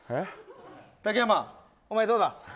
竹山、お前どうだ？